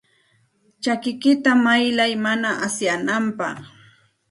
Chakikiyta paqay mana asyananpaq.